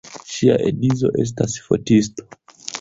Ŝia edzo estas fotisto.